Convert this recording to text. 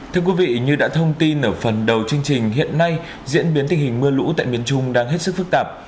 thưa quý vị như đã thông tin ở phần đầu chương trình hiện nay diễn biến tình hình mưa lũ tại miền trung đang hết sức phức tạp